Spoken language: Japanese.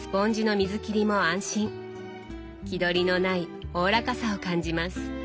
気取りのないおおらかさを感じます。